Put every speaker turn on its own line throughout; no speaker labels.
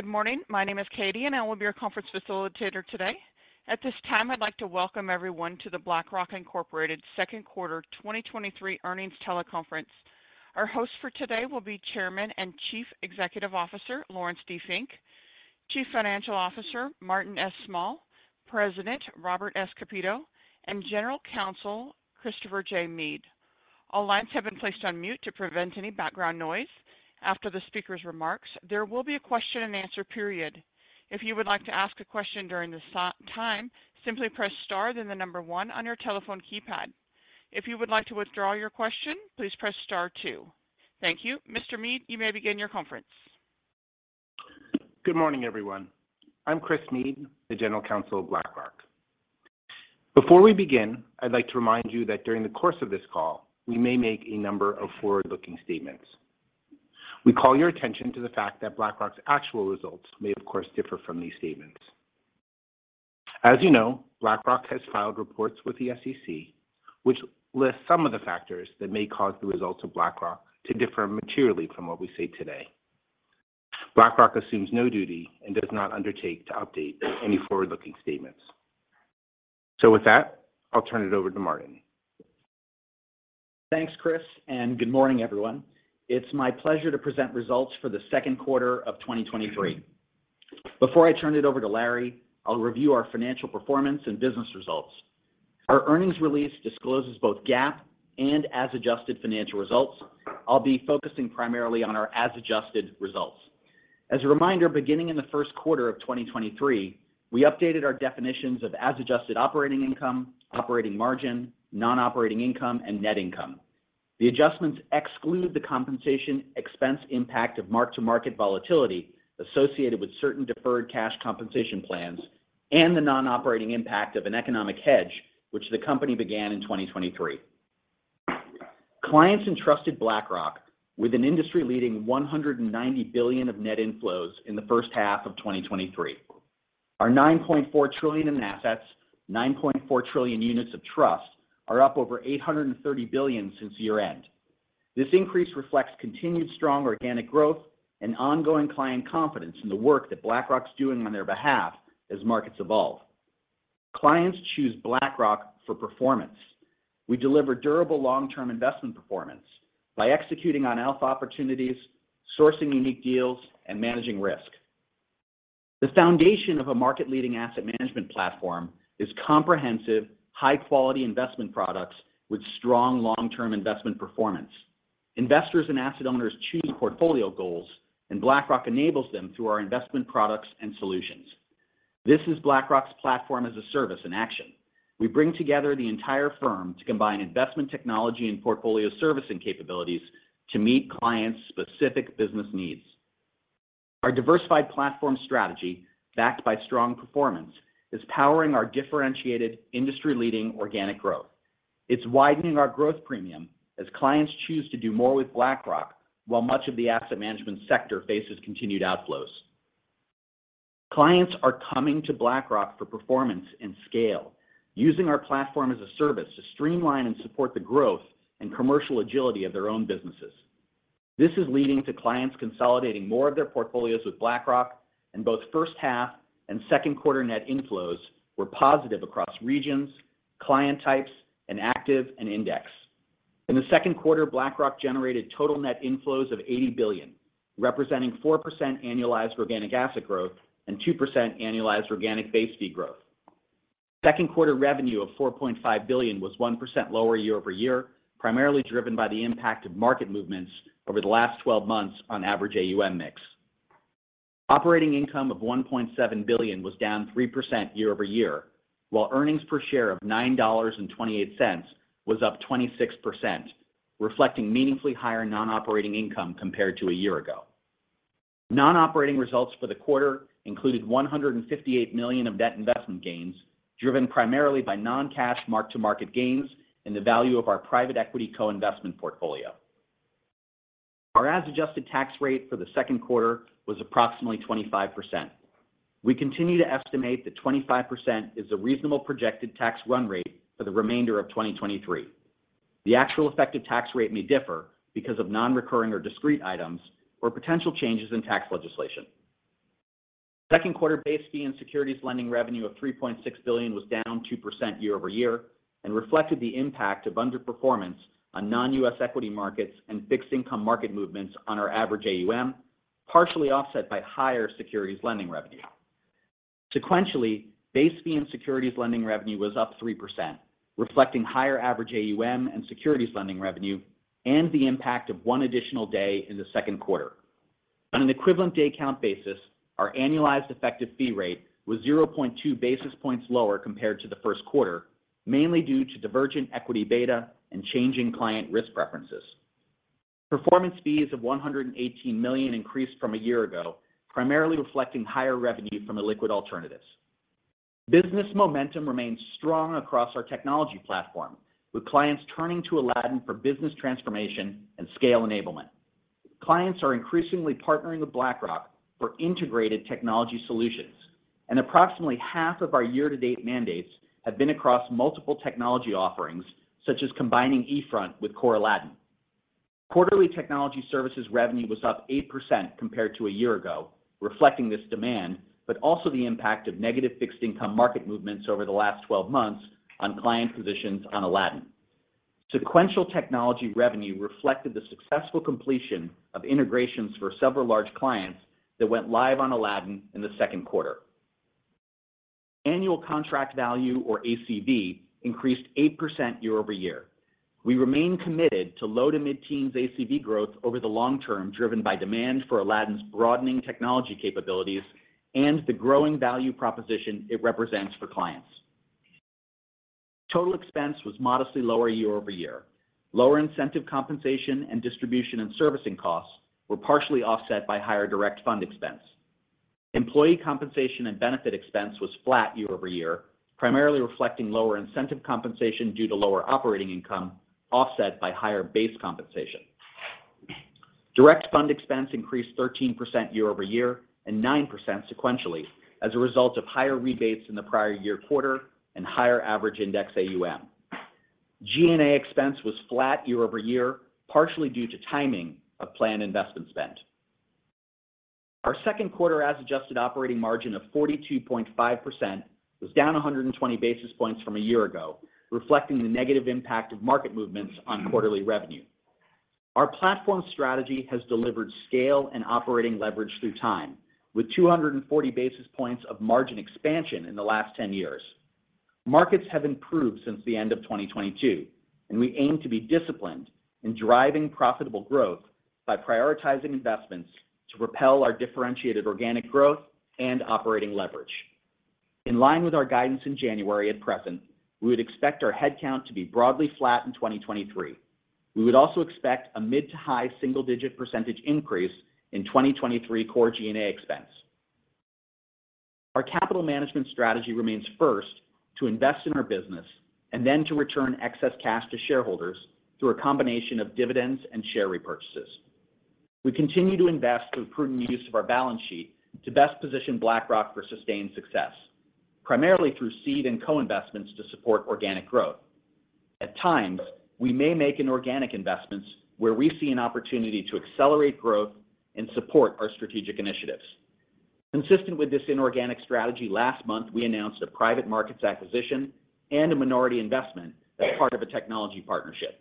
Good morning. My name is Katie, and I will be your conference facilitator today. At this time, I'd like to welcome everyone to the BlackRock, Inc. second quarter 2023 earnings teleconference. Our host for today will be Chairman and Chief Executive Officer, Laurence D. Fink; Chief Financial Officer, Martin S. Small; President, Robert S. Kapito; and General Counsel, Christopher J. Meade. All lines have been placed on mute to prevent any background noise. After the speaker's remarks, there will be a question and answer period. If you would like to ask a question during this time, simply press star one on your telephone keypad. If you would like to withdraw your question, please press star two. Thank you. Mr. Meade, you may begin your conference.
Good morning, everyone. I'm Chris Meade, the General Counsel of BlackRock. Before we begin, I'd like to remind you that during the course of this call, we may make a number of forward-looking statements. We call your attention to the fact that BlackRock's actual results may, of course, differ from these statements. As you know, BlackRock has filed reports with the SEC, which lists some of the factors that may cause the results of BlackRock to differ materially from what we say today. BlackRock assumes no duty and does not undertake to update any forward-looking statements. With that, I'll turn it over to Martin.
Thanks, Chris. Good morning, everyone. It's my pleasure to present results for the second quarter of 2023. Before I turn it over to Larry, I'll review our financial performance and business results. Our earnings release discloses both GAAP and as-adjusted financial results. I'll be focusing primarily on our as-adjusted results. As a reminder, beginning in the first quarter of 2023, we updated our definitions of as-adjusted operating income, operating margin, non-operating income, and net income. The adjustments exclude the compensation expense impact of mark-to-market volatility associated with certain deferred cash compensation plans and the non-operating impact of an economic hedge, which the company began in 2023. Clients entrusted BlackRock with an industry-leading $190 billion of net inflows in the first half of 2023. Our $9.4 trillion in assets, $9.4 trillion units of trust, are up over $830 billion since year-end. This increase reflects continued strong organic growth and ongoing client confidence in the work that BlackRock's doing on their behalf as markets evolve. Clients choose BlackRock for performance. We deliver durable long-term investment performance by executing on alpha opportunities, sourcing unique deals, and managing risk. The foundation of a market-leading asset management platform is comprehensive, high-quality investment products with strong long-term investment performance. Investors and asset owners choose portfolio goals, BlackRock enables them through our investment products and solutions. This is BlackRock's Platform as a Service in action. We bring together the entire firm to combine investment technology and portfolio servicing capabilities to meet clients' specific business needs. Our diversified platform strategy, backed by strong performance, is powering our differentiated, industry-leading organic growth. It's widening our growth premium as clients choose to do more with BlackRock, while much of the asset management sector faces continued outflows. Clients are coming to BlackRock for performance and scale, using our Platform as a Service to streamline and support the growth and commercial agility of their own businesses. Both first half and second quarter net inflows were positive across regions, client types, and active and index. In the second quarter, BlackRock generated total net inflows of $80 billion, representing 4% annualized organic asset growth and 2% annualized organic base fee growth. Second quarter revenue of $4.5 billion was 1% lower year-over-year, primarily driven by the impact of market movements over the last 12 months on average AUM mix. Operating income of $1.7 billion was down 3% year-over-year, while earnings per share of $9.28 was up 26%, reflecting meaningfully higher non-operating income compared to a year ago. Non-operating results for the quarter included $158 million of debt investment gains, driven primarily by non-cash mark-to-market gains in the value of our private equity co-investment portfolio. Our as-adjusted tax rate for the second quarter was approximately 25%. We continue to estimate that 25% is a reasonable projected tax run rate for the remainder of 2023. The actual effective tax rate may differ because of non-recurring or discrete items or potential changes in tax legislation. Second quarter base fee and securities lending revenue of $3.6 billion was down 2% year-over-year and reflected the impact of underperformance on non-U.S. equity markets and fixed income market movements on our average AUM, partially offset by higher securities lending revenue. Sequentially, base fee and securities lending revenue was up 3%, reflecting higher average AUM and securities lending revenue and the impact of 1 additional day in the second quarter. On an equivalent day count basis, our annualized effective fee rate was 0.2 basis points lower compared to the first quarter, mainly due to divergent equity beta and changing client risk preferences. Performance fees of $118 million increased from a year ago, primarily reflecting higher revenue from illiquid alternatives. Business momentum remains strong across our technology platform, with clients turning to Aladdin for business transformation and scale enablement. Clients are increasingly partnering with BlackRock for integrated technology solutions. Approximately half of our year-to-date mandates have been across multiple technology offerings, such as combining eFront with core Aladdin. Quarterly technology services revenue was up 8% compared to a year ago, reflecting this demand. Also the impact of negative fixed income market movements over the last 12 months on client positions on Aladdin. Sequential technology revenue reflected the successful completion of integrations for several large clients that went live on Aladdin in the second quarter. Annual contract value, or ACV, increased 8% year-over-year. We remain committed to low to mid-teens ACV growth over the long term, driven by demand for Aladdin's broadening technology capabilities and the growing value proposition it represents for clients. Total expense was modestly lower year-over-year. Lower incentive compensation and distribution and servicing costs were partially offset by higher direct fund expense. Employee compensation and benefit expense was flat year-over-year, primarily reflecting lower incentive compensation due to lower operating income, offset by higher base compensation. Direct fund expense increased 13% year-over-year and 9% sequentially as a result of higher rebates in the prior year quarter and higher average index AUM. G&A expense was flat year-over-year, partially due to timing of planned investment spend. Our second quarter as-adjusted operating margin of 42.5% was down 120 basis points from a year ago, reflecting the negative impact of market movements on quarterly revenue. Our platform strategy has delivered scale and operating leverage through time, with 240 basis points of margin expansion in the last 10 years. Markets have improved since the end of 2022, and we aim to be disciplined in driving profitable growth by prioritizing investments to repel our differentiated organic growth and operating leverage. In line with our guidance in January at present, we would expect our headcount to be broadly flat in 2023. We would also expect a mid to high single-digit percentage increase in 2023 core G&A expense. Our capital management strategy remains first, to invest in our business, and then to return excess cash to shareholders through a combination of dividends and share repurchases. We continue to invest through prudent use of our balance sheet to best position BlackRock for sustained success, primarily through seed and co-investments to support organic growth. At times, we may make inorganic investments where we see an opportunity to accelerate growth and support our strategic initiatives. Consistent with this inorganic strategy, last month, we announced a private markets acquisition and a minority investment as part of a technology partnership.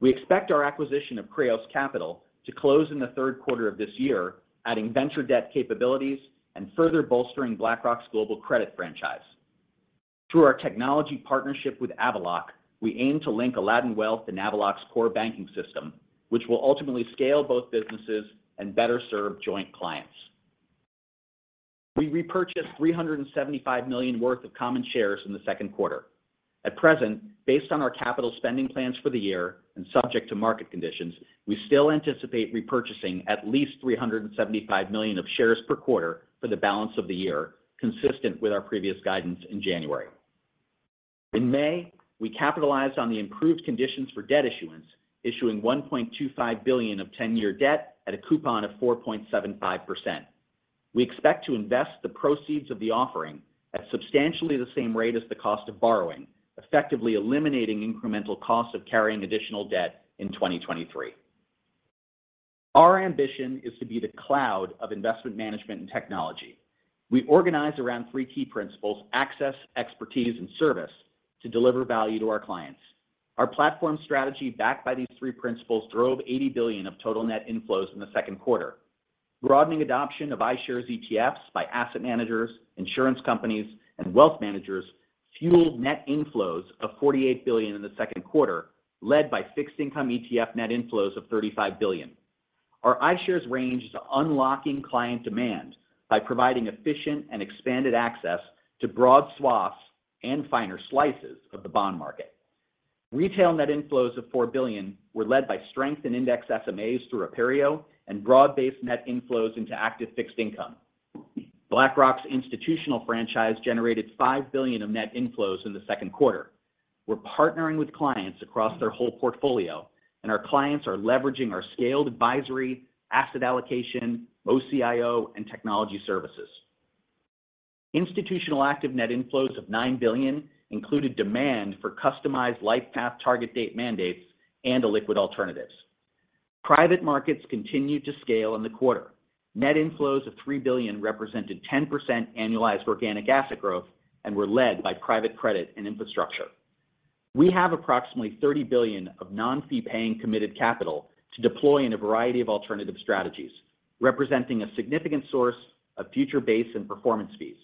We expect our acquisition of Kreos Capital to close in the third quarter of this year, adding venture debt capabilities and further bolstering BlackRock's global credit franchise. Through our technology partnership with Avaloq, we aim to link Aladdin Wealth and Avaloq's core banking system, which will ultimately scale both businesses and better serve joint clients. We repurchased $375 million worth of common shares in the second quarter. At present, based on our capital spending plans for the year and subject to market conditions, we still anticipate repurchasing at least $375 million of shares per quarter for the balance of the year, consistent with our previous guidance in January. In May, we capitalized on the improved conditions for debt issuance, issuing $1.25 billion of 10-year debt at a coupon of 4.75%. We expect to invest the proceeds of the offering at substantially the same rate as the cost of borrowing, effectively eliminating incremental costs of carrying additional debt in 2023. Our ambition is to be the cloud of investment management and technology. We organize around three key principles: access, expertise, and service to deliver value to our clients. Our platform strategy, backed by these three principles, drove $80 billion of total net inflows in the second quarter. Broadening adoption of iShares ETFs by asset managers, insurance companies, and wealth managers fueled net inflows of $48 billion in the second quarter, led by fixed income ETF net inflows of $35 billion. Our iShares range is unlocking client demand by providing efficient and expanded access to broad swaths and finer slices of the bond market. Retail net inflows of $4 billion were led by strength and index SMAs through Aperio and broad-based net inflows into active fixed income. BlackRock's institutional franchise generated $5 billion of net inflows in the second quarter. We're partnering with clients across their whole portfolio, and our clients are leveraging our scaled advisory, asset allocation, OCIO, and technology services. Institutional active net inflows of $9 billion included demand for customized LifePath, target date mandates, and illiquid alternatives. Private markets continued to scale in the quarter. Net inflows of $3 billion represented 10% annualized organic asset growth and were led by private credit and infrastructure. We have approximately $30 billion of non-fee paying committed capital to deploy in a variety of alternative strategies, representing a significant source of future base and performance fees.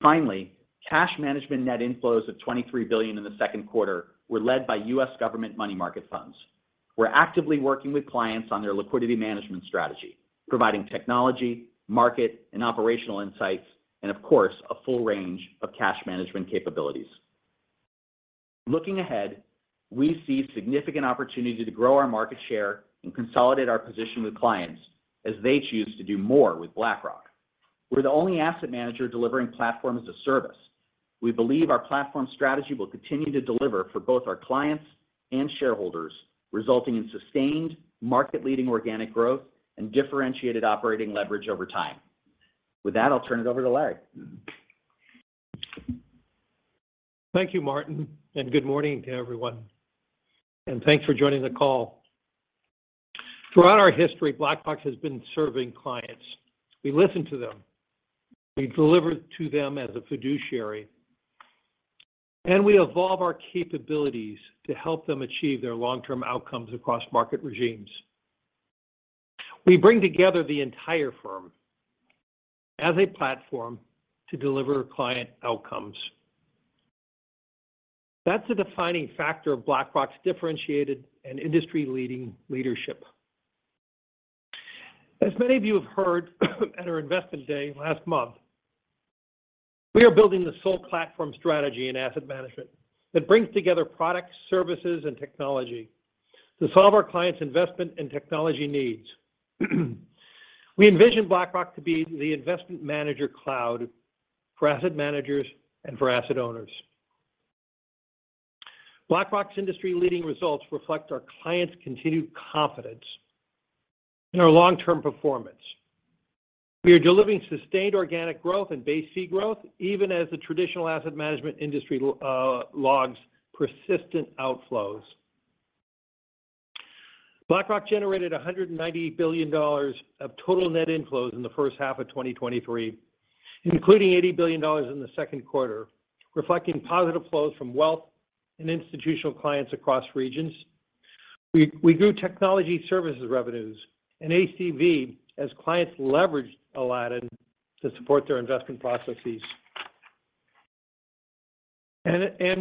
Finally, cash management net inflows of $23 billion in the second quarter were led by U.S. government money market funds. We're actively working with clients on their liquidity management strategy, providing technology, market, and operational insights, and of course, a full range of cash management capabilities. Looking ahead, we see significant opportunity to grow our market share and consolidate our position with clients as they choose to do more with BlackRock. We're the only asset manager delivering Platform as a Service. We believe our platform strategy will continue to deliver for both our clients and shareholders, resulting in sustained, market-leading organic growth and differentiated operating leverage over time. With that, I'll turn it over to Larry.
Thank you, Martin. Good morning to everyone. Thanks for joining the call. Throughout our history, BlackRock has been serving clients. We listen to them, we deliver to them as a fiduciary. We evolve our capabilities to help them achieve their long-term outcomes across market regimes. We bring together the entire firm as a platform to deliver client outcomes. That's a defining factor of BlackRock's differentiated and industry-leading leadership. As many of you have heard, at our investment day last month, we are building the sole platform strategy in asset management that brings together products, services, and technology to solve our clients' investment and technology needs. We envision BlackRock to be the investment manager cloud for asset managers and for asset owners. BlackRock's industry-leading results reflect our clients' continued confidence in our long-term performance. We are delivering sustained organic growth and base fee growth, even as the traditional asset management industry logs persistent outflows. BlackRock generated $190 billion of total net inflows in the first half of 2023, including $80 billion in the second quarter, reflecting positive flows from wealth and institutional clients across regions. We grew technology services revenues and ACV as clients leveraged Aladdin to support their investment processes.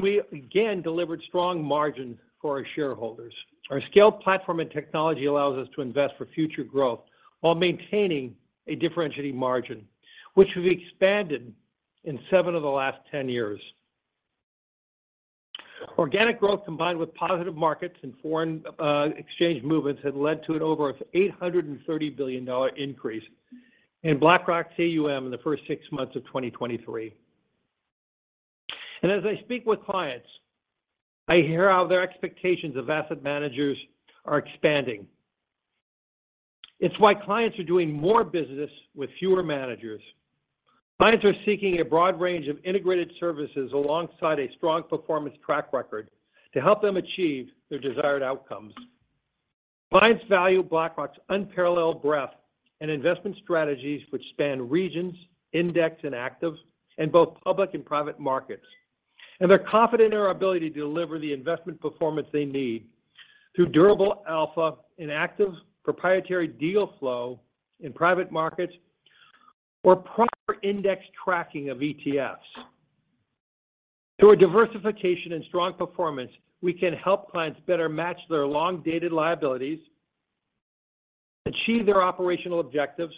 We again delivered strong margin for our shareholders. Our scale platform and technology allows us to invest for future growth while maintaining a differentiating margin, which we've expanded in seven of the last 10 years. Organic growth, combined with positive markets and foreign exchange movements, have led to an over $830 billion increase in BlackRock's AUM in the first six months of 2023. As I speak with clients, I hear how their expectations of asset managers are expanding. It's why clients are doing more business with fewer managers. Clients are seeking a broad range of integrated services alongside a strong performance track record to help them achieve their desired outcomes. Clients value BlackRock's unparalleled breadth and investment strategies, which span regions, index and active, in both public and private markets, and they're confident in our ability to deliver the investment performance they need through durable alpha and active proprietary deal flow in private markets or proper index tracking of ETFs. Through a diversification and strong performance, we can help clients better match their long-dated liabilities, achieve their operational objectives,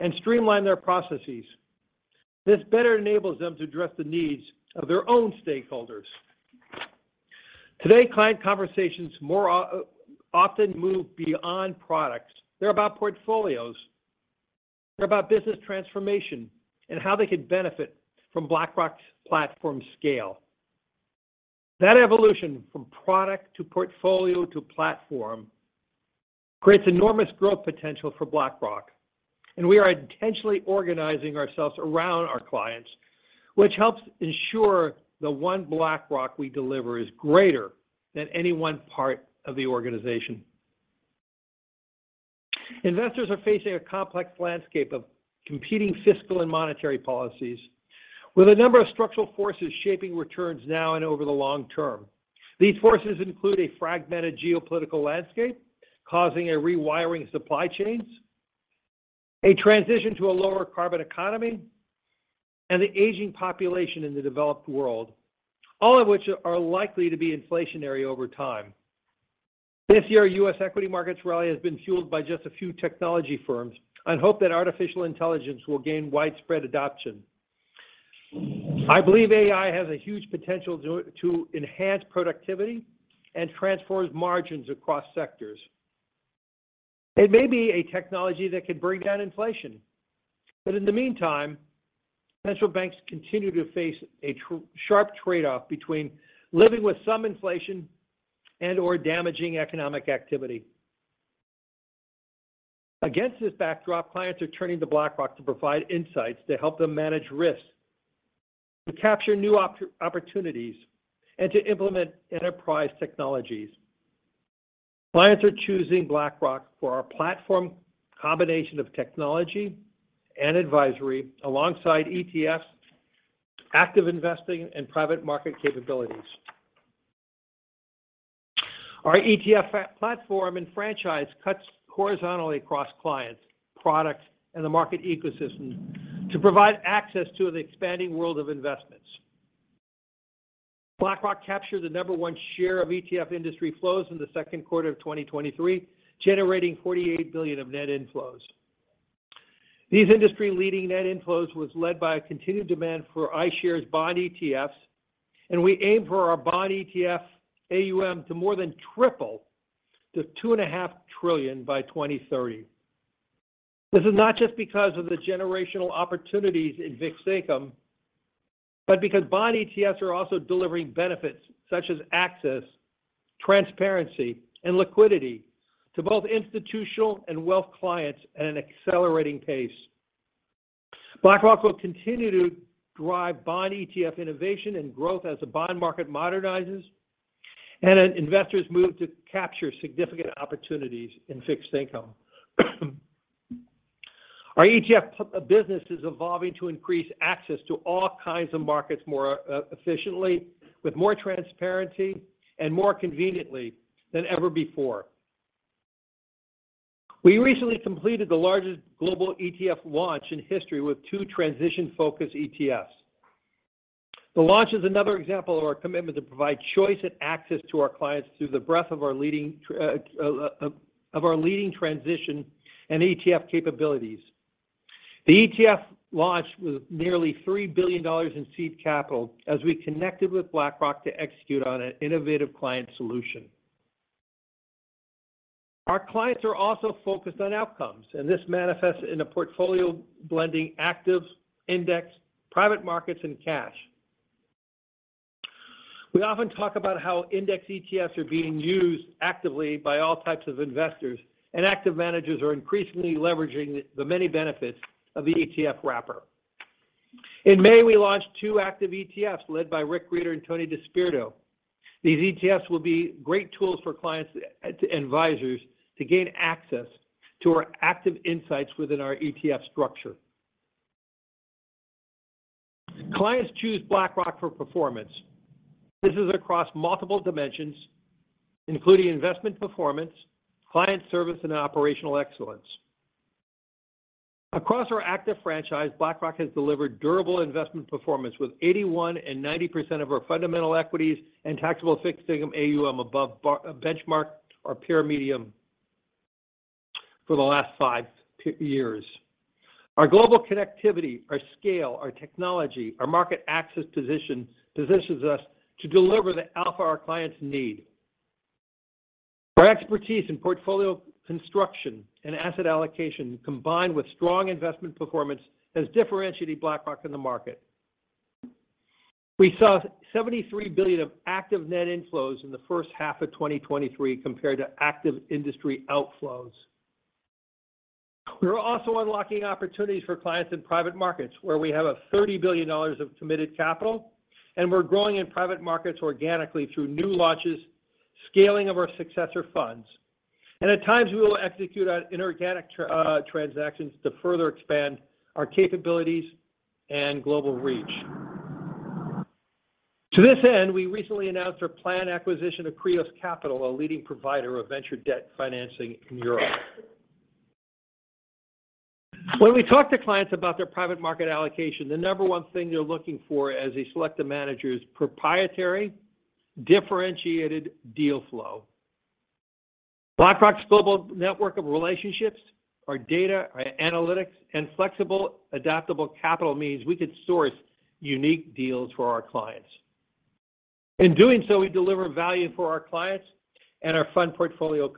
and streamline their processes. This better enables them to address the needs of their own stakeholders. Today, client conversations more often move beyond products. They're about portfolios. They're about business transformation and how they could benefit from BlackRock's platform scale. That evolution from product to portfolio to platform creates enormous growth potential for BlackRock. We are intentionally organizing ourselves around our clients, which helps ensure the One BlackRock we deliver is greater than any one part of the organization. Investors are facing a complex landscape of competing fiscal and monetary policies, with a number of structural forces shaping returns now and over the long term. These forces include a fragmented geopolitical landscape, causing a rewiring supply chains, a transition to a lower carbon economy, and the aging population in the developed world, all of which are likely to be inflationary over time. This year, U.S. equity markets' rally has been fueled by just a few technology firms and hope that artificial intelligence will gain widespread adoption. I believe AI has a huge potential to enhance productivity and transform margins across sectors. It may be a technology that could bring down inflation, but in the meantime, central banks continue to face a sharp trade-off between living with some inflation and/or damaging economic activity. Against this backdrop, clients are turning to BlackRock to provide insights to help them manage risks, to capture new opportunities, and to implement enterprise technologies. Clients are choosing BlackRock for our platform combination of technology and advisory alongside ETFs, active investing, and private market capabilities. Our ETF platform and franchise cuts horizontally across clients, products, and the market ecosystem to provide access to the expanding world of investments. BlackRock captured the number one share of ETF industry flows in the second quarter of 2023, generating $48 billion of net inflows. These industry-leading net inflows was led by a continued demand for iShares bond ETFs, and we aim for our bond ETF AUM to more than triple to $2.5 trillion by 2030. This is not just because of the generational opportunities in fixed income, but because bond ETFs are also delivering benefits such as access, transparency, and liquidity to both institutional and wealth clients at an accelerating pace. BlackRock will continue to drive bond ETF innovation and growth as the bond market modernizes, and as investors move to capture significant opportunities in fixed income. Our ETF business is evolving to increase access to all kinds of markets more efficiently, with more transparency and more conveniently than ever before. We recently completed the largest global ETF launch in history with two transition-focused ETFs. The launch is another example of our commitment to provide choice and access to our clients through the breadth of our leading transition and ETF capabilities. The ETF launch was nearly $3 billion in seed capital as we connected with BlackRock to execute on an innovative client solution. Our clients are also focused on outcomes, this manifests in a portfolio blending active, index, private markets, and cash. We often talk about how index ETFs are being used actively by all types of investors, active managers are increasingly leveraging the many benefits of the ETF wrapper. In May, we launched two active ETFs led by Rick Rieder and Tony DeSpirito. These ETFs will be great tools for clients and advisors to gain access to our active insights within our ETF structure. Clients choose BlackRock for performance. This is across multiple dimensions, including investment performance, client service, and operational excellence. Across our active franchise, BlackRock has delivered durable investment performance, with 81% and 90% of our fundamental equities and taxable fixed income AUM above benchmark our peer medium for the last five years. Our global connectivity, our scale, our technology, our market access positions us to deliver the alpha our clients need. Our expertise in portfolio construction and asset allocation, combined with strong investment performance, has differentiated BlackRock in the market. We saw $73 billion of active net inflows in the first half of 2023 compared to active industry outflows. We are also unlocking opportunities for clients in private markets, where we have a $30 billion of committed capital, we're growing in private markets organically through new launches, scaling of our successor funds. At times, we will execute on inorganic transactions to further expand our capabilities and global reach. To this end, we recently announced our planned acquisition of Kreos Capital, a leading provider of venture debt financing in Europe. When we talk to clients about their private market allocation, the number 1 thing they're looking for as they select a manager is proprietary, differentiated deal flow. BlackRock's global network of relationships, our data, our analytics, and flexible, adaptable capital means we could source unique deals for our clients. In doing so, we deliver value for our clients and our fund portfolio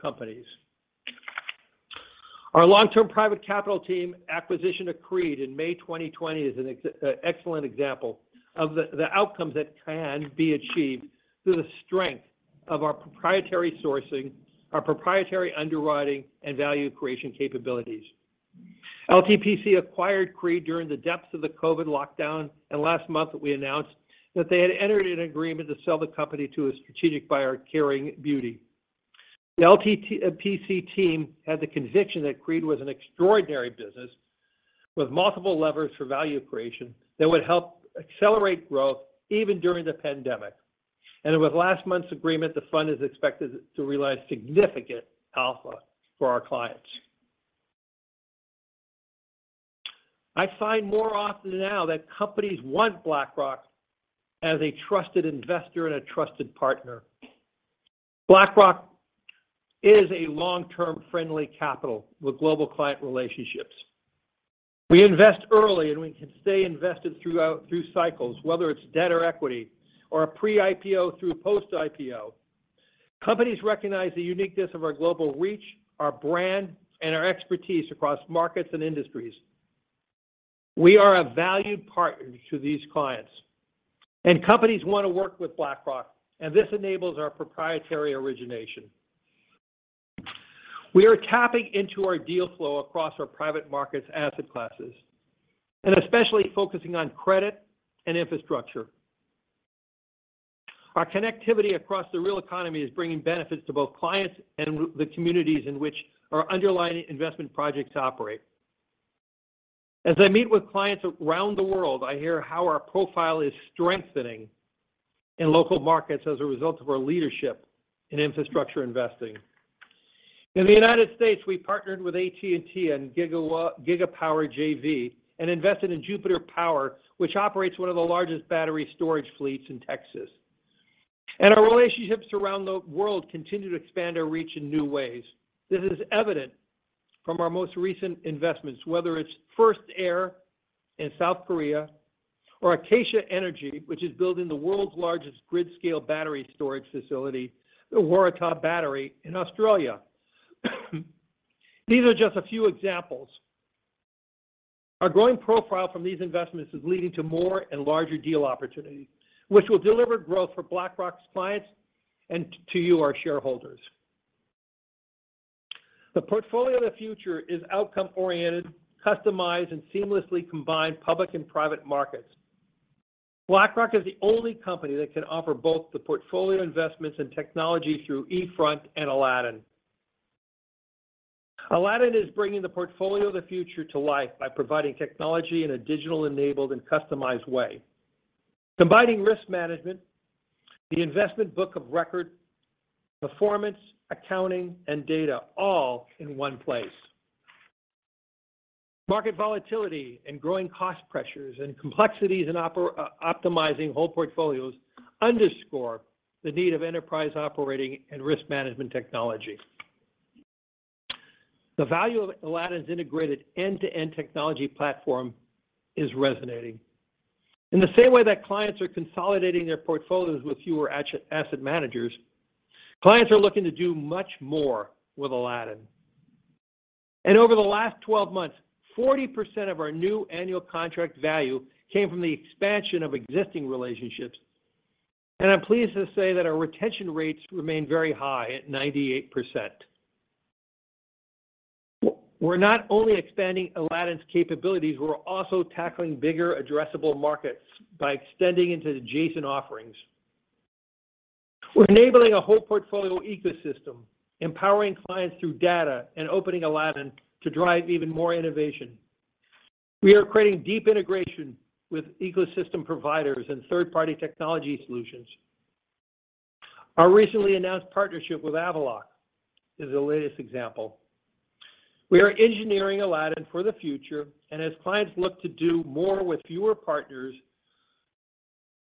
companies. Our long-term private capital team acquisition of Creed in May 2020, is an excellent example of the outcomes that can be achieved through the strength of our proprietary sourcing, our proprietary underwriting, and value creation capabilities. LTPC acquired Creed during the depths of the COVID lockdown. Last month, we announced that they had entered an agreement to sell the company to a strategic buyer, Kering Beauté. The LTPC team had the conviction that Creed was an extraordinary business with multiple levers for value creation that would help accelerate growth even during the pandemic. With last month's agreement, the fund is expected to realize significant alpha for our clients. I find more often now that companies want BlackRock as a trusted investor and a trusted partner. BlackRock is a long-term friendly capital with global client relationships. We invest early, and we can stay invested through cycles, whether it's debt or equity, or a pre-IPO through post-IPO. Companies recognize the uniqueness of our global reach, our brand, and our expertise across markets and industries. We are a valued partner to these clients, and companies want to work with BlackRock, and this enables our proprietary origination. We are tapping into our deal flow across our private markets asset classes, and especially focusing on credit and infrastructure. Our connectivity across the real economy is bringing benefits to both clients and the communities in which our underlying investment projects operate. As I meet with clients around the world, I hear how our profile is strengthening in local markets as a result of our leadership in infrastructure investing. In the United States, we partnered with AT&T on Gigapower JV and invested in Jupiter Power, which operates one of the largest battery storage fleets in Texas. Our relationships around the world continue to expand our reach in new ways. This is evident from our most recent investments, whether it's First Air in South Korea or Akaysha Energy, which is building the world's largest grid-scale battery storage facility, the Waratah Battery, in Australia. These are just a few examples. Our growing profile from these investments is leading to more and larger deal opportunities, which will deliver growth for BlackRock's clients and to you, our shareholders. The portfolio of the future is outcome-oriented, customized, and seamlessly combined public and private markets. BlackRock is the only company that can offer both the portfolio investments and technology through eFront and Aladdin. Aladdin is bringing the portfolio of the future to life by providing technology in a digital-enabled and customized way. Combining risk management, the investment book of record, performance, accounting, and data, all in one place. Market volatility and growing cost pressures and complexities in optimizing whole portfolios underscore the need of enterprise operating and risk management technology. The value of Aladdin's integrated end-to-end technology platform is resonating. In the same way that clients are consolidating their portfolios with fewer asset managers, clients are looking to do much more with Aladdin. Over the last 12 months, 40% of our new annual contract value came from the expansion of existing relationships, and I'm pleased to say that our retention rates remain very high at 98%. We're not only expanding Aladdin's capabilities, we're also tackling bigger addressable markets by extending into adjacent offerings. We're enabling a whole portfolio ecosystem, empowering clients through data and opening Aladdin to drive even more innovation. We are creating deep integration with ecosystem providers and third-party technology solutions. Our recently announced partnership with Avaloq is the latest example. As clients look to do more with fewer partners,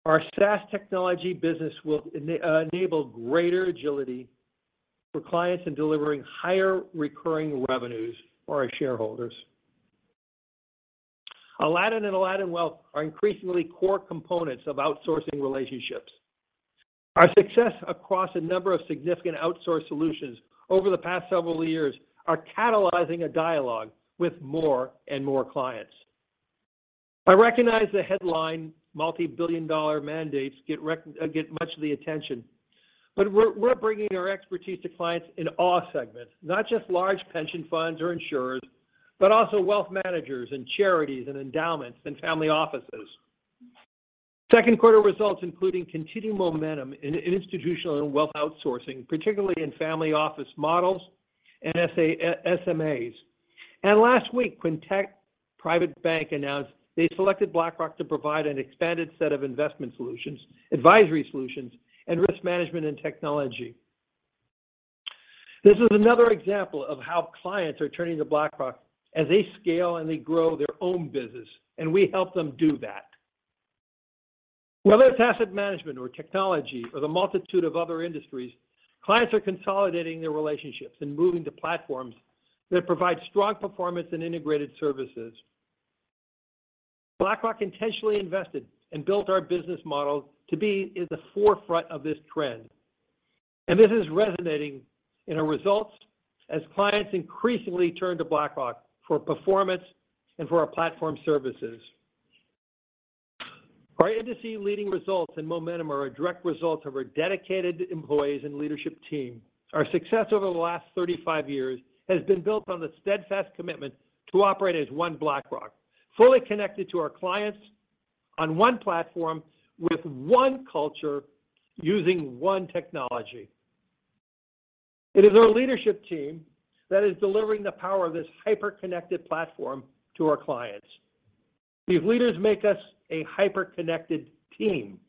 our SaaS technology business will enable greater agility for clients in delivering higher recurring revenues for our shareholders. Aladdin and Aladdin Wealth are increasingly core components of outsourcing relationships. Our success across a number of significant outsource solutions over the past several years are catalyzing a dialogue with more and more clients. We're bringing our expertise to clients in all segments, not just large pension funds or insurers, but also wealth managers and charities and endowments and family offices. Second quarter results, including continued momentum in institutional and wealth outsourcing, particularly in family office models and SMAs. Last week, Quintet Private Bank announced they selected BlackRock to provide an expanded set of investment solutions, advisory solutions, and risk management and technology. This is another example of how clients are turning to BlackRock as they scale and they grow their own business. We help them do that. Whether it's asset management or technology or the multitude of other industries, clients are consolidating their relationships and moving to platforms that provide strong performance and integrated services. BlackRock intentionally invested and built our business model to be in the forefront of this trend. This is resonating in our results as clients increasingly turn to BlackRock for performance and for our platform services. Our industry-leading results and momentum are a direct result of our dedicated employees and leadership team. Our success over the last 35 years has been built on the steadfast commitment to operate as One BlackRock, fully connected to our clients on one platform, with one culture, using one technology. It is our leadership team that is delivering the power of this hyper-connected platform to our clients. These leaders make us a hyper-connected team.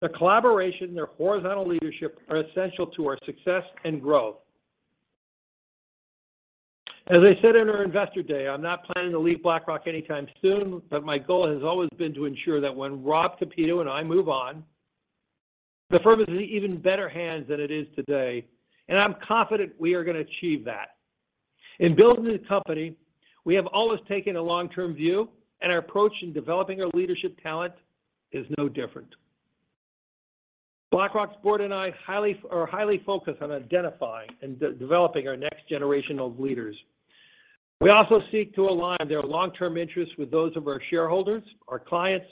The collaboration and their horizontal leadership are essential to our success and growth. As I said in our Investor Day, I'm not planning to leave BlackRock anytime soon. My goal has always been to ensure that when Rob Kapito and I move on, the firm is in even better hands than it is today. I'm confident we are gonna achieve that. In building the company, we have always taken a long-term view. Our approach in developing our leadership talent is no different. BlackRock's board and I are highly focused on identifying and developing our next generation of leaders. We also seek to align their long-term interests with those of our shareholders, our clients,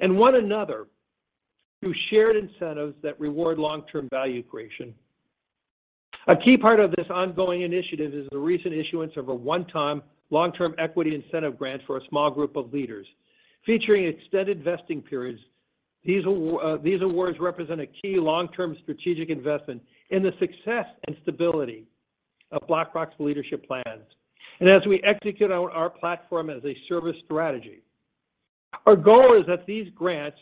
and one another, through shared incentives that reward long-term value creation. A key part of this ongoing initiative is the recent issuance of a one-time, long-term equity incentive grant for a small group of leaders. Featuring extended vesting periods, these awards represent a key long-term strategic investment in the success and stability of BlackRock's leadership plans. As we execute our Platform as a Service strategy, our goal is that these grants,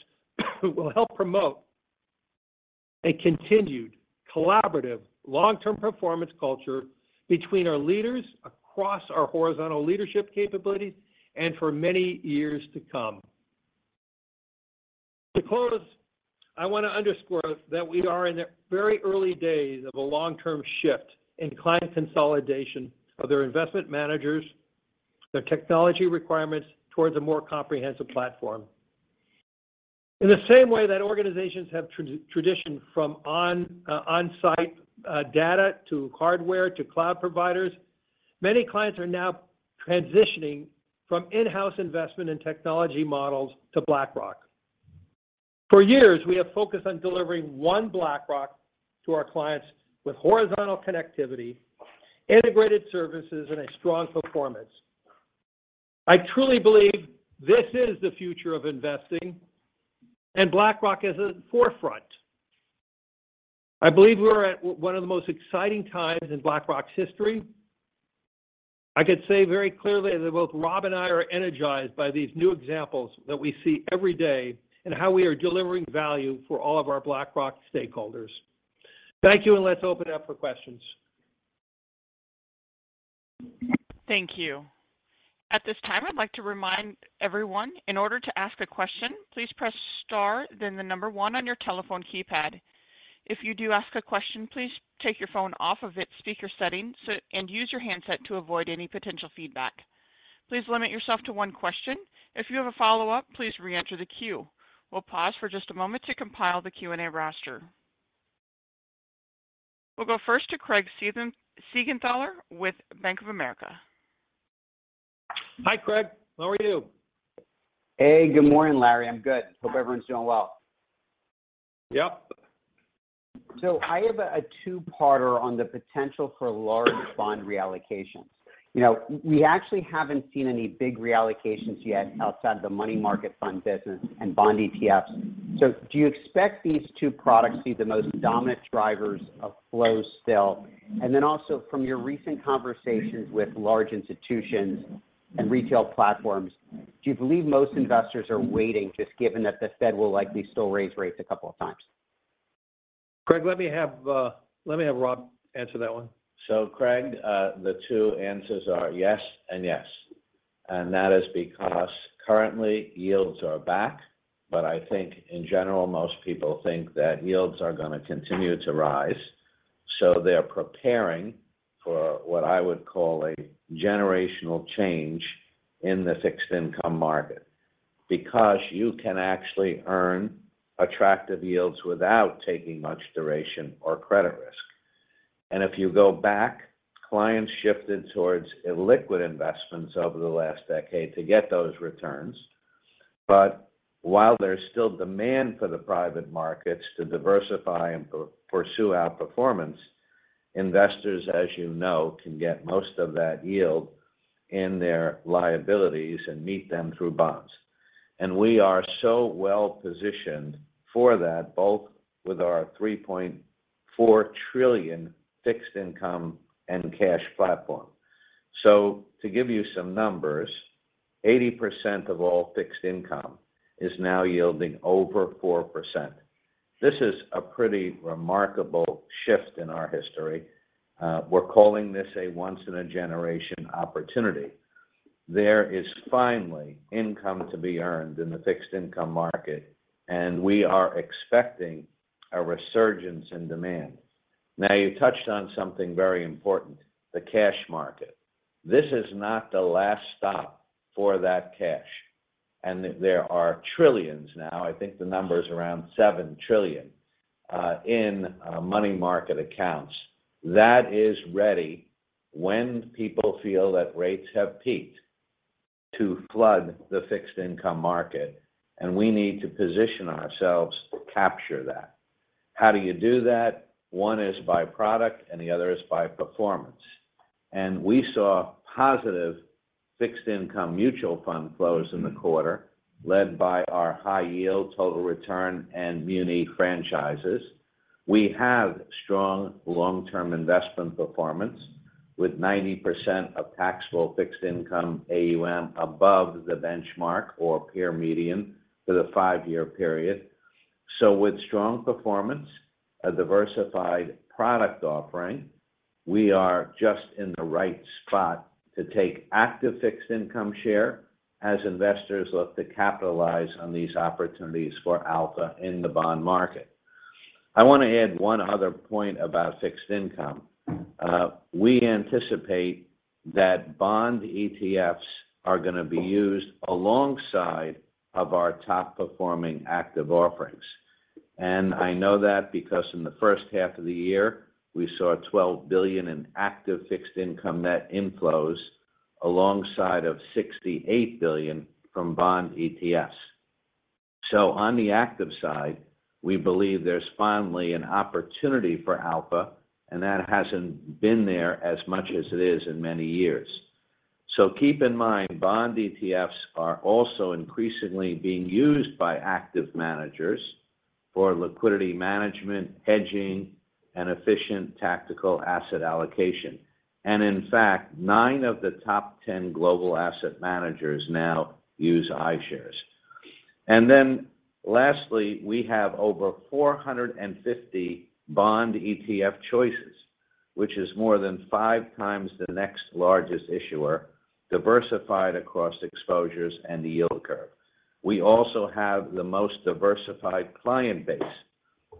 will help promote a continued, collaborative, long-term performance culture between our leaders across our horizontal leadership capabilities and for many years to come. To close, I want to underscore that we are in the very early days of a long-term shift in client consolidation of their investment managers, their technology requirements towards a more comprehensive platform. In the same way that organizations have tradition from on-site data to hardware to cloud providers, many clients are now transitioning from in-house investment and technology models to BlackRock. For years, we have focused on delivering One BlackRock to our clients with horizontal connectivity, integrated services, and a strong performance. I truly believe this is the future of investing, BlackRock is at the forefront. I believe we're at one of the most exciting times in BlackRock's history. I could say very clearly that both Rob and I are energized by these new examples that we see every day, how we are delivering value for all of our BlackRock stakeholders. Thank you, and let's open it up for questions.
Thank you. At this time, I'd like to remind everyone, in order to ask a question, please press star, then the number one on your telephone keypad. If you do ask a question, please take your phone off of its speaker settings, so, and use your handset to avoid any potential feedback. Please limit yourself to one question. If you have a follow-up, please reenter the queue. We'll pause for just a moment to compile the Q&A roster. We'll go first to Craig Siegenthaler with Bank of America.
Hi, Craig. How are you?
Hey, good morning, Larry. I'm good. Hope everyone's doing well.
Yep.
I have a two-parter on the potential for large bond reallocations. You know, we actually haven't seen any big reallocations yet outside the money market fund business and bond ETFs. Do you expect these two products to be the most dominant drivers of flow still? Also from your recent conversations with large institutions and retail platforms, do you believe most investors are waiting, just given that the Fed will likely still raise rates a couple of times?
Craig, let me have Rob answer that one.
Craig, the two answers are yes and yes. That is because currently, yields are back, but I think in general, most people think that yields are going to continue to rise. They're preparing for what I would call a generational change in the fixed income market, because you can actually earn attractive yields without taking much duration or credit risk. If you go back, clients shifted towards illiquid investments over the last decade to get those returns. While there's still demand for the private markets to diversify and pursue outperformance, investors, as you know, can get most of that yield in their liabilities and meet them through bonds. We are so well positioned for that, both with our $3.4 trillion fixed income and cash platform. To give you some numbers, 80% of all fixed income is now yielding over 4%. This is a pretty remarkable shift in our history. We're calling this a once in a generation opportunity. There is finally income to be earned in the fixed income market, and we are expecting a resurgence in demand. You touched on something very important, the cash market. This is not the last stop for that cash, and there are trillions now, I think the number is around $7 trillion in money market accounts. That is ready when people feel that rates have peaked to flood the fixed income market, and we need to position ourselves to capture that. How do you do that? One is by product, and the other is by performance. We saw positive fixed income mutual fund flows in the quarter, led by our high yield, total return, and muni franchises. We have strong long-term investment performance, with 90% of taxable fixed income AUM above the benchmark or peer median for the five-year period. With strong performance, a diversified product offering, we are just in the right spot to take active fixed income share as investors look to capitalize on these opportunities for alpha in the bond market. I want to add one other point about fixed income. We anticipate that bond ETFs are going to be used alongside of our top performing active offerings. I know that because in the first half of the year, we saw $12 billion in active fixed income net inflows alongside of $68 billion from bond ETFs. On the active side, we believe there's finally an opportunity for alpha, and that hasn't been there as much as it is in many years. Keep in mind, bond ETFs are also increasingly being used by active managers for liquidity management, hedging, and efficient tactical asset allocation. In fact, nine of the top 10 global asset managers now use iShares. Lastly, we have over 450 bond ETF choices, which is more than five times the next largest issuer, diversified across exposures and the yield curve. We also have the most diversified client base,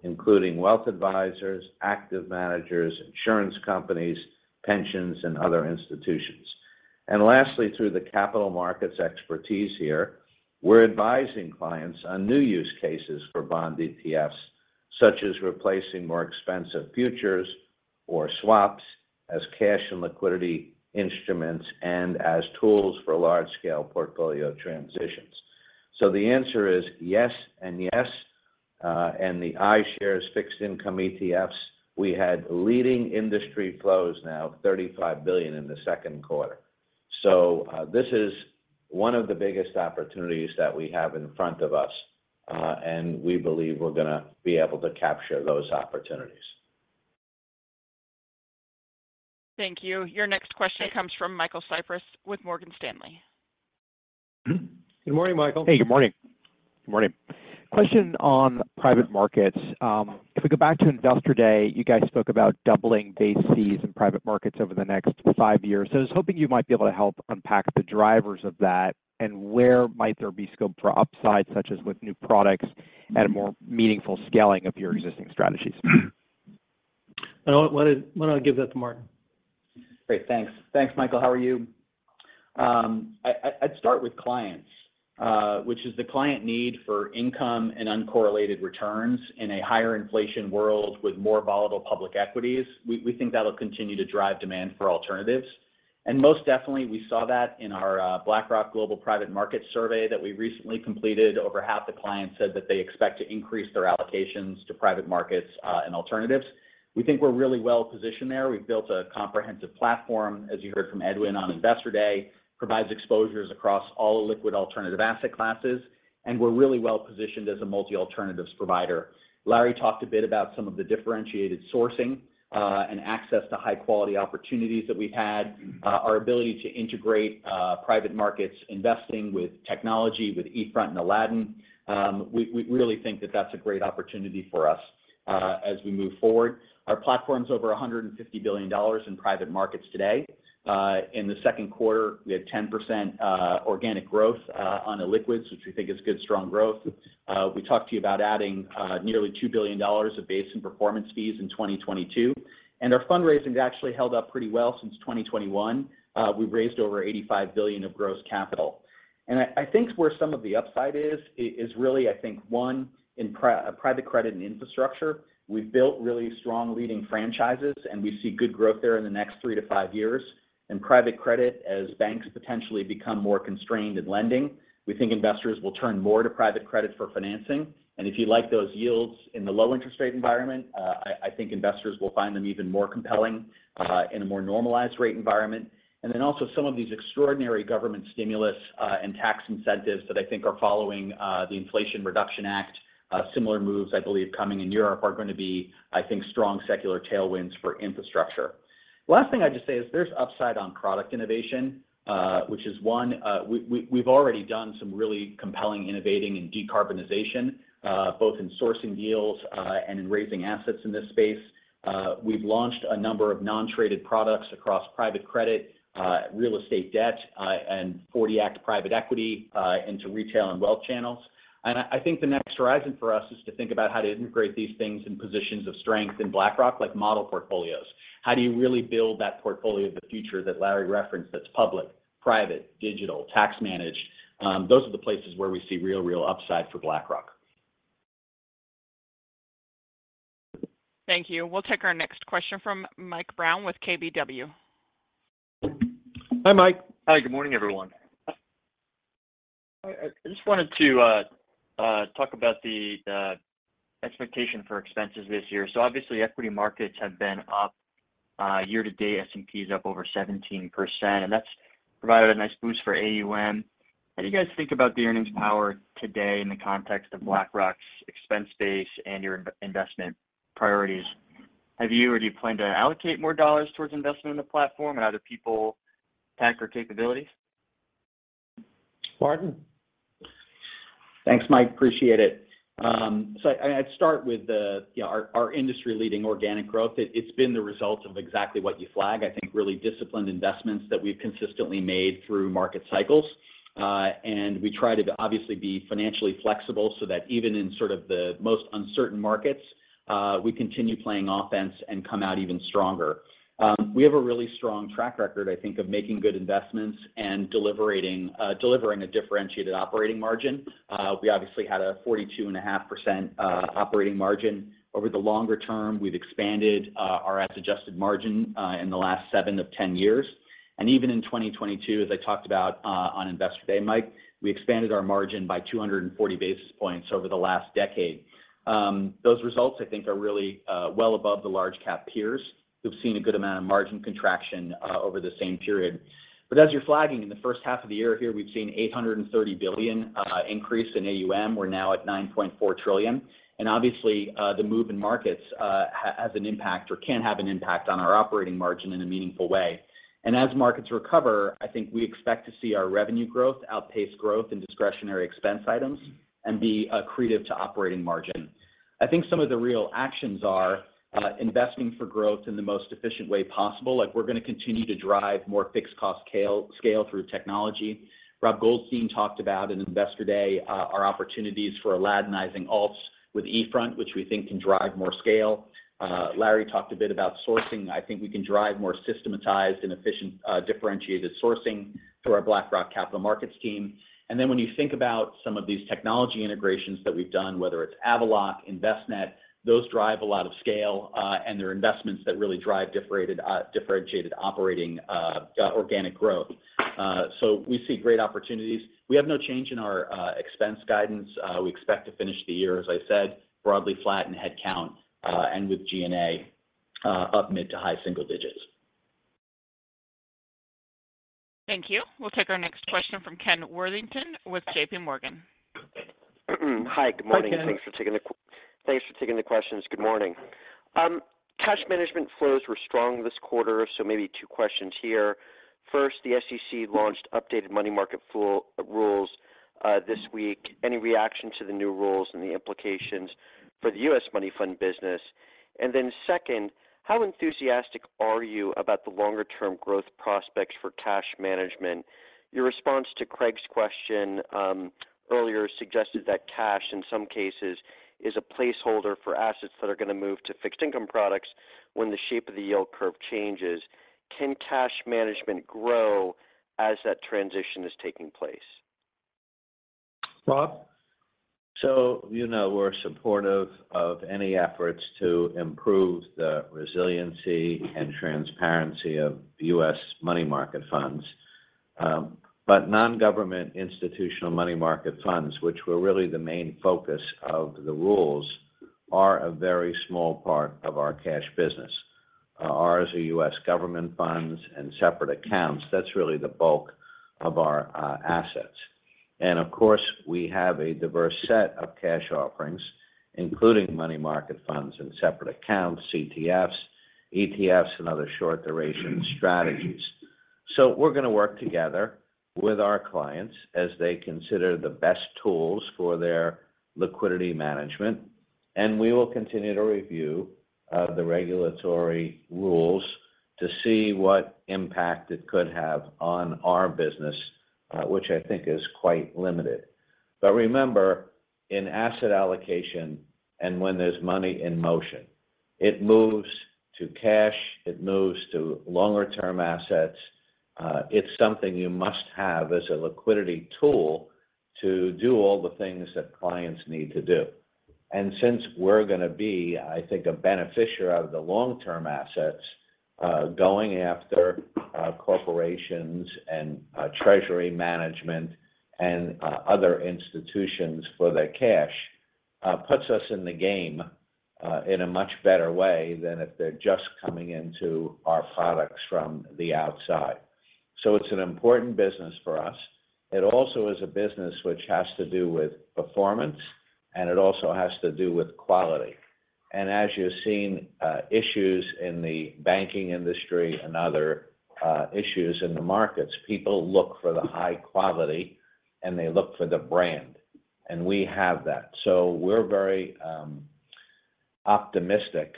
including wealth advisors, active managers, insurance companies, pensions, and other institutions. Lastly, through the capital markets expertise here, we're advising clients on new use cases for bond ETFs, such as replacing more expensive futures or swaps as cash and liquidity instruments, and as tools for large-scale portfolio transitions. The answer is yes and yes, the iShares fixed income ETFs, we had leading industry flows now, $35 billion in the second quarter. This is one of the biggest opportunities that we have in front of us, we believe we're gonna be able to capture those opportunities.
Thank you. Your next question comes from Michael Cyprys with Morgan Stanley.
Good morning, Michael.
Hey, good morning. Good morning. Question on private markets. If we go back to Investor Day, you guys spoke about doubling base fees in private markets over the next five years. I was hoping you might be able to help unpack the drivers of that, and where might there be scope for upside, such as with new products and a more meaningful scaling of your existing strategies?
I know, why don't I give that to Martin?
Great. Thanks. Thanks, Michael. How are you? I'd start with clients, which is the client need for income and uncorrelated returns in a higher inflation world with more volatile public equities. We think that'll continue to drive demand for alternatives. Most definitely, we saw that in our BlackRock Global Private Markets survey that we recently completed. Over half the clients said that they expect to increase their allocations to private markets and alternatives. We think we're really well positioned there. We've built a comprehensive platform, as you heard from Edwin on Investor Day, provides exposures across all liquid alternative asset classes, and we're really well positioned as a multi-alternatives provider. Larry talked a bit about some of the differentiated sourcing and access to high-quality opportunities that we've had. Our ability to integrate private markets investing with technology, with eFront and Aladdin. We really think that that's a great opportunity for us as we move forward. Our platform's over $150 billion in private markets today. In the second quarter, we had 10% organic growth on the liquids, which we think is good, strong growth. We talked to you about adding nearly $2 billion of base and performance fees in 2022, and our fundraising has actually held up pretty well since 2021. We've raised over $85 billion of gross capital. I think where some of the upside is really, I think, one, in private credit and infrastructure. We've built really strong leading franchises, and we see good growth there in the next three to five years. In private credit, as banks potentially become more constrained in lending, we think investors will turn more to private credit for financing. If you like those yields in the low interest rate environment, I think investors will find them even more compelling in a more normalized rate environment. Also some of these extraordinary government stimulus and tax incentives that I think are following the Inflation Reduction Act, similar moves, I believe, coming in Europe, are going to be, I think, strong secular tailwinds for infrastructure. Last thing I'd just say is there's upside on product innovation, which is one, we've already done some really compelling innovating and decarbonization, both in sourcing deals and in raising assets in this space. We've launched a number of non-traded products across private credit, real estate debt, and 40 Act private equity into retail and wealth channels. I think the next horizon for us is to think about how to integrate these things in positions of strength in BlackRock, like model portfolios. How do you really build that portfolio of the future that Larry referenced, that's public, private, digital, tax managed? Those are the places where we see real upside for BlackRock.
Thank you. We'll take our next question from Michael Brown with KBW.
Hi, Mike.
Hi, good morning, everyone. I just wanted to talk about the expectation for expenses this year. Obviously, equity markets have been up year to date, S&P is up over 17%, and that's provided a nice boost for AUM. How do you guys think about the earnings power today in the context of BlackRock's expense base and your investment priorities? Have you or do you plan to allocate more dollars towards investment in the platform, and how do people tack our capabilities?
Martin?
Thanks, Mike. Appreciate it. I'd start with the, you know, our industry-leading organic growth. It's been the result of exactly what you flagged. I think really disciplined investments that we've consistently made through market cycles, and we try to obviously be financially flexible so that even in sort of the most uncertain markets, we continue playing offense and come out even stronger. We have a really strong track record, I think, of making good investments and delivering a differentiated operating margin. We obviously had a 42.5% operating margin. Over the longer term, we've expanded our adjusted margin in the last seven of 10 years. Even in 2022, as I talked about, on Investor Day, Mike, we expanded our margin by 240 basis points over the last decade. Those results, I think, are really, well above the large cap peers, who've seen a good amount of margin contraction, over the same period. As you're flagging, in the first half of the year here, we've seen $830 billion, increase in AUM. We're now at $9.4 trillion. Obviously, the move in markets, has an impact or can have an impact on our operating margin in a meaningful way. As markets recover, I think we expect to see our revenue growth outpace growth in discretionary expense items and be accretive to operating margin. I think some of the real actions are investing for growth in the most efficient way possible. Like, we're going to continue to drive more fixed cost scale through technology. Rob Goldstein talked about in Investor Day, our opportunities for Aladdinizing alts with eFront, which we think can drive more scale. Larry talked a bit about sourcing. I think we can drive more systematized and efficient, differentiated sourcing through our BlackRock Capital Markets team. When you think about some of these technology integrations that we've done, whether it's Avaloq, Envestnet, those drive a lot of scale, and they're investments that really drive differentiated operating, organic growth. We see great opportunities. We have no change in our expense guidance. We expect to finish the year, as I said, broadly flat in headcount, and with G&A up mid to high single digits.
Thank you. We'll take our next question from Ken Worthington with JPMorgan.
Hi, good morning.
Hi, Ken.
Thanks for taking the questions. Good morning. Cash management flows were strong this quarter. Maybe two questions here. First, the SEC launched updated money market rules this week. Any reaction to the new rules and the implications for the U.S. Money Fund business? Second, how enthusiastic are you about the longer term growth prospects for cash management? Your response to Craig's question earlier suggested that cash, in some cases, is a placeholder for assets that are gonna move to fixed income products when the shape of the yield curve changes. Can cash management grow as that transition is taking place?
Rob?
You know, we're supportive of any efforts to improve the resiliency and transparency of U.S. money market funds. Non-government institutional money market funds, which were really the main focus of the rules, are a very small part of our cash business. Ours are U.S. government funds and separate accounts. That's really the bulk of our assets. Of course, we have a diverse set of cash offerings, including money market funds and separate accounts, CTFs, ETFs, and other short duration strategies. We're gonna work together with our clients as they consider the best tools for their liquidity management, and we will continue to review the regulatory rules to see what impact it could have on our business, which I think is quite limited. Remember, in asset allocation and when there's money in motion, it moves to cash, it moves to longer term assets. It's something you must have as a liquidity tool to do all the things that clients need to do. Since we're gonna be, I think, a beneficiary out of the long-term assets, going after corporations and treasury management and other institutions for their cash, puts us in the game in a much better way than if they're just coming into our products from the outside. It's an important business for us. It also is a business which has to do with performance. It also has to do with quality. As you've seen, issues in the banking industry and other, issues in the markets, people look for the high quality, and they look for the brand, and we have that. We're very optimistic,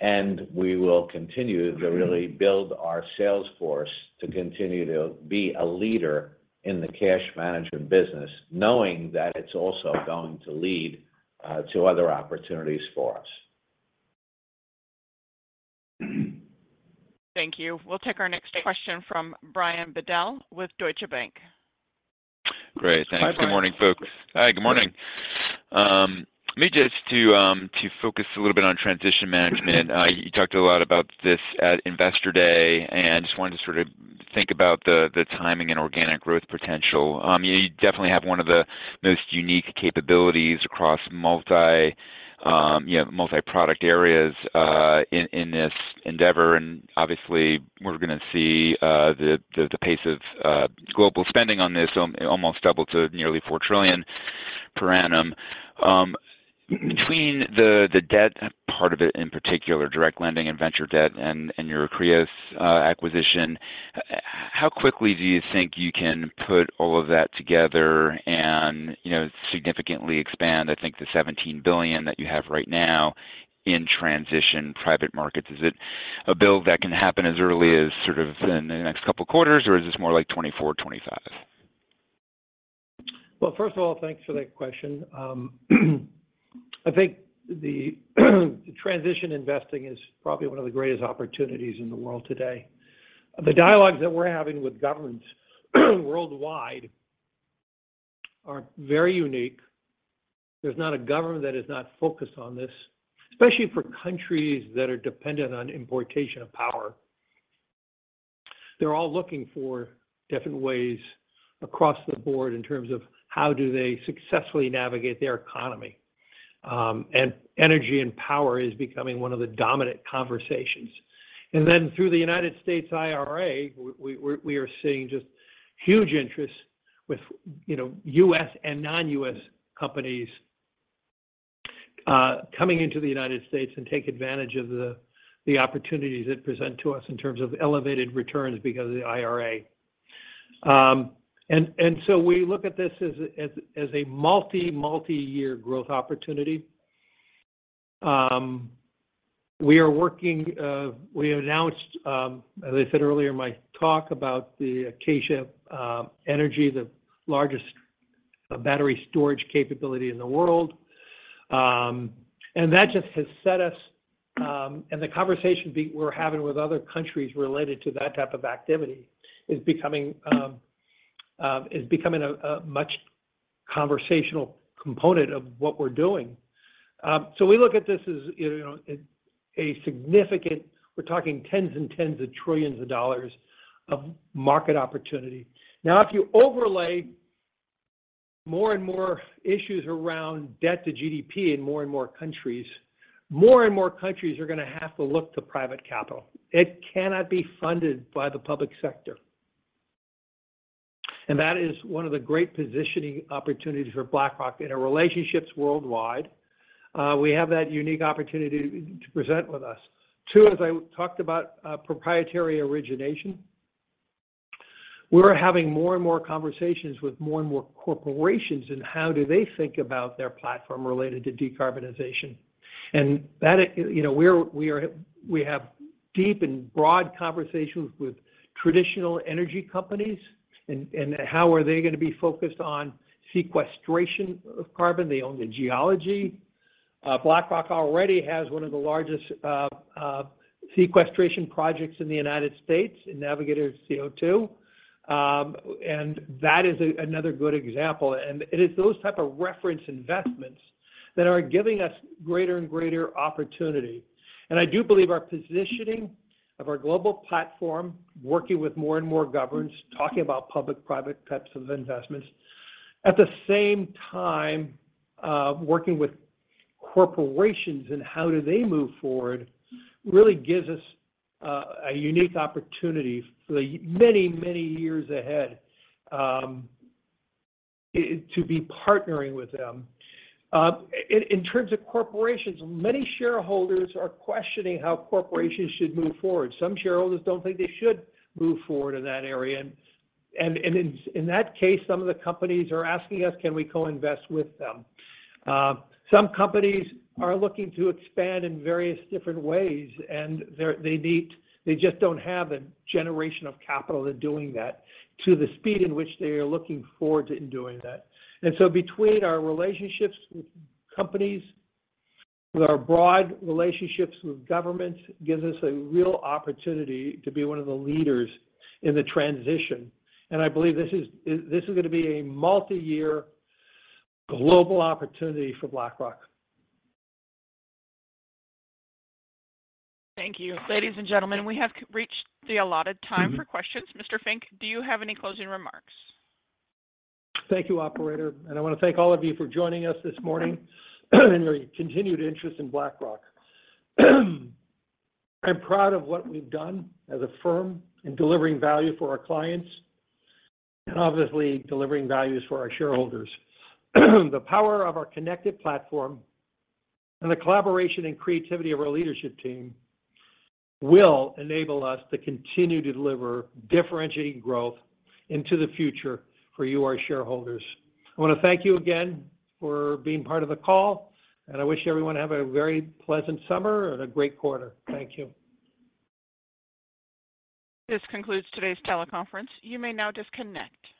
and we will continue to really build our sales force to continue to be a leader in the cash management business, knowing that it's also going to lead to other opportunities for us.
Thank you. We'll take our next question from Brian Bedell with Deutsche Bank.
Great.
Hi, Brian.
Thanks. Good morning, folks. Hi, good morning. Let me just to focus a little bit on transition management. You talked a lot about this at Investor Day. Just wanted to sort of think about the timing and organic growth potential. You definitely have one of the most unique capabilities across, you know, multi-product areas in this endeavor. Obviously, we're gonna see the pace of global spending on this almost double to nearly $4 trillion per annum. Between the debt part of it, in particular, direct lending and venture debt and your Kreos acquisition, how quickly do you think you can put all of that together and, you know, significantly expand, I think the $17 billion that you have right now in transition private markets? Is it a build that can happen as early as sort of in the next couple of quarters, or is this more like 2024, 2025?
First of all, thanks for that question. I think the transition investing is probably one of the greatest opportunities in the world today. The dialogues that we're having with governments worldwide are very unique. There's not a government that is not focused on this, especially for countries that are dependent on importation of power. They're all looking for different ways across the board in terms of how do they successfully navigate their economy. Energy and power is becoming one of the dominant conversations. Through the United States IRA, we are seeing just huge interest with, you know, U.S. and non-U.S. companies coming into the United States and take advantage of the opportunities that present to us in terms of elevated returns because of the IRA. We look at this as a multi-year growth opportunity. We are working. We announced, as I said earlier in my talk about the Acacia Energy, the largest battery storage capability in the world. That just has set us, and the conversation we're having with other countries related to that type of activity is becoming a much conversational component of what we're doing. We look at this as, you know, a significant, we're talking tens of trillions of dollars of market opportunity. Now, if you overlay more and more issues around debt to GDP in more and more countries, more and more countries are gonna have to look to private capital. It cannot be funded by the public sector. That is one of the great positioning opportunities for BlackRock in our relationships worldwide. We have that unique opportunity to present with us. Two, as I talked about, proprietary origination. We're having more and more conversations with more and more corporations, and how do they think about their platform related to decarbonization? That is, you know, we have deep and broad conversations with traditional energy companies, and how are they gonna be focused on sequestration of carbon? They own the geology. BlackRock already has one of the largest sequestration projects in the United States, in Navigator CO2. That is another good example, and it is those type of reference investments that are giving us greater and greater opportunity. I do believe our positioning of our global platform, working with more and more governments, talking about public-private types of investments, at the same time, working with corporations and how do they move forward, really gives us a unique opportunity for the many, many years ahead, to be partnering with them. In terms of corporations, many shareholders are questioning how corporations should move forward. Some shareholders don't think they should move forward in that area, and in that case, some of the companies are asking us, can we co-invest with them? Some companies are looking to expand in various different ways, and they need. They just don't have a generation of capital in doing that to the speed in which they are looking forward to in doing that. Between our relationships with companies, with our broad relationships with governments, gives us a real opportunity to be one of the leaders in the transition. I believe this is going to be a multi-year global opportunity for BlackRock.
Thank you. Ladies and gentlemen, we have reached the allotted time for questions. Mr. Fink, do you have any closing remarks?
Thank you, operator. I want to thank all of you for joining us this morning, and your continued interest in BlackRock. I'm proud of what we've done as a firm in delivering value for our clients, and obviously, delivering values for our shareholders. The power of our connected platform and the collaboration and creativity of our leadership team, will enable us to continue to deliver differentiating growth into the future for you, our shareholders. I wanna thank you again for being part of the call, and I wish everyone have a very pleasant summer and a great quarter. Thank you.
This concludes today's teleconference. You may now disconnect.